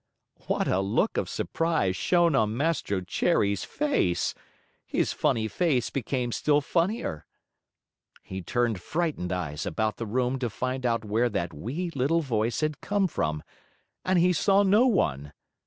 What a look of surprise shone on Mastro Cherry's face! His funny face became still funnier. He turned frightened eyes about the room to find out where that wee, little voice had come from and he saw no one!